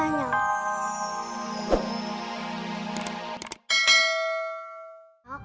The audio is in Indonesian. siapa yang ulang tahun